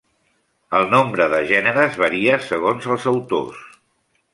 El nombre de gèneres varia segons els autors.